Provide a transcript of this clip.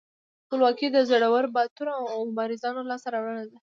خپلواکي د زړورو، باتورو او مبارزانو لاسته راوړنه ده.